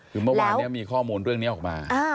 คือเมื่อวานนี้มีข้อมูลเรื่องนี้ออกมา